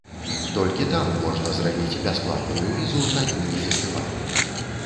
Толькі там можна зрабіць бясплатную візу на дні фестывалю.